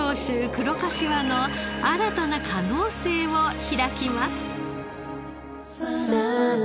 黒かしわの新たな可能性を開きます。